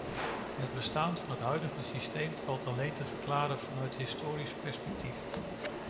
Het bestaan van het huidige systeem valt alleen te verklaren vanuit historisch perspectief.